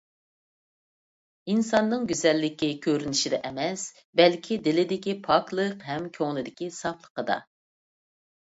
ئىنساننىڭ گۈزەللىكى كۆرۈنۈشىدە ئەمەس، بەلكى دىلىدىكى پاكلىق ھەم كۆڭلىدىكى ساپلىقىدا.